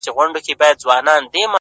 خپل مخ واړوې بل خواتــــه”